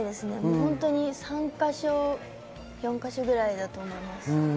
本当に３か所、４か所ぐらいだと思います。